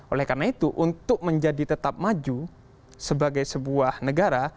oleh karena itu untuk menjadi tetap maju sebagai sebuah negara